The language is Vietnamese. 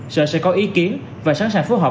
sở sẽ có ý kiến và sẵn sàng phối hợp